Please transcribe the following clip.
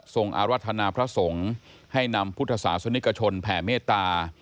อารัฐนาพระสงฆ์ให้นำพุทธศาสนิกชนแผ่เมตตา